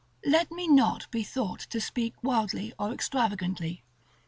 § XV. Let me not be thought to speak wildly or extravagantly.